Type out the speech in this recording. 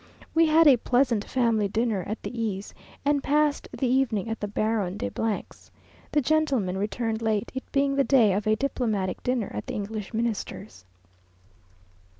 We had a pleasant family dinner at the E 's, and passed the evening at the Baron de 's. The gentlemen returned late, it being the day of a diplomatic dinner at the English Minister's.